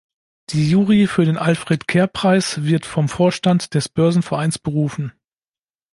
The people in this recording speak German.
Die Jury für den Alfred-Kerr-Preis wird vom Vorstand des Börsenvereins berufen.